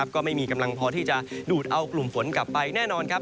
ก็ไม่มีกำลังพอที่จะดูดเอากลุ่มฝนกลับไปแน่นอนครับ